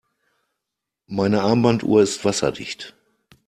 Meine Armbanduhr ist wasserdicht.